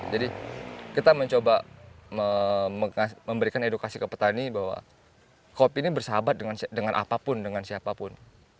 jadi kita mencoba memberikan edukasi ke petani bahwa kopi ini bersahabat dengan apapun dengan siapapun